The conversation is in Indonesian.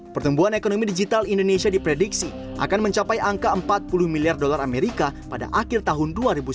pertumbuhan ekonomi digital indonesia diprediksi akan mencapai angka empat puluh miliar dolar amerika pada akhir tahun dua ribu sembilan belas